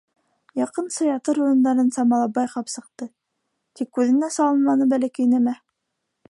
Яҡынса ятыр урындарын самалап байҡап сыҡты, тик күҙенә салынманы бәләкәй нәмә.